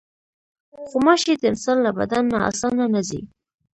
غوماشې د انسان له بدن نه اسانه نه ځي.